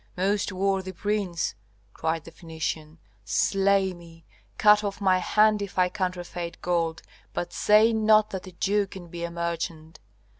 Most worthy prince," cried the Phœnician, "slay me, cut off my hand if I counterfeit gold, but say not that a Jew can be a merchant.